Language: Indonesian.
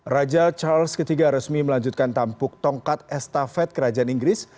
raja charles iii resmi melanjutkan tampuk tongkat estafet kerajaan inggris